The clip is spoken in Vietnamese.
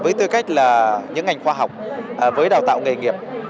với tư cách là những ngành khoa học với đào tạo nghề nghiệp